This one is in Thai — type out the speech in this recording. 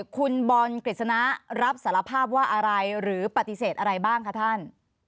คุณบอลกฤษณะรับสารภาพว่าอะไรหรือปฏิเสธอะไรบ้างคะท่าน